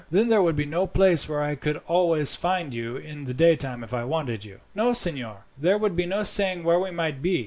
"Then there would be no place where I could always find you in the daytime if I wanted you?" "No, signor; there would be no saying where we might be.